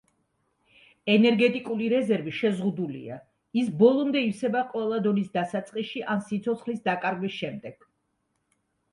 ენერგეტიკული რეზერვი შეზღუდულია, ის ბოლომდე ივსება ყველა დონის დასაწყისში ან სიცოცხლის დაკარგვის შემდეგ.